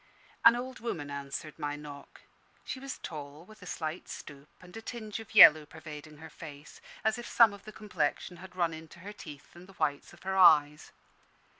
An old woman answered my knock. She was tall, with a slight stoop, and a tinge of yellow pervading her face, as if some of the complexion had run into her teeth and the whites of her eyes.